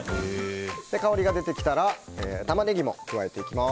香りが出てきたらタマネギも加えていきます。